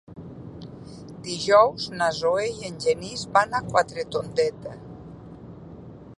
Dijous na Zoè i en Genís van a Quatretondeta.